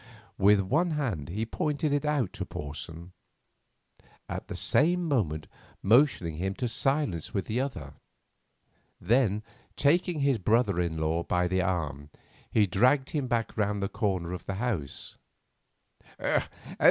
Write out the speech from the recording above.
With one hand he pointed it out to Porson, at the same moment motioning him to silence with the other. Then, taking his brother in law by the arm, he dragged him back round the corner of the house.